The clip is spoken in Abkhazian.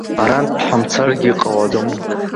Арантә ҳамцаргьы ҟалаӡом.